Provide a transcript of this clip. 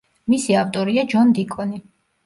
მისი ავტორია ჯონ დიკონი.